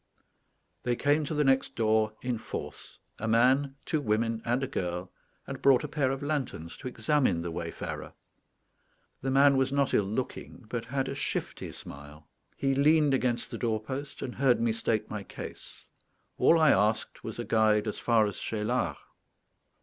They came to the next door in force, a man, two women, and a girl, and brought a pair of lanterns to examine the wayfarer. The man was not ill looking, but had a shifty smile. He leaned against the doorpost, and heard me state my case. All I asked was a guide as far as Cheylard.